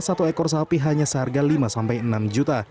satu ekor sapi hanya seharga lima sampai enam juta